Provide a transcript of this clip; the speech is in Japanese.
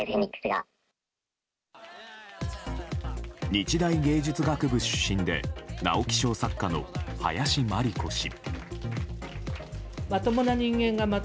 日大芸術学部出身で直木賞作家の林真理子氏。